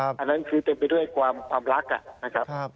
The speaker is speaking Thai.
อันนั้นคือเต็มไปด้วยความรักนะครับ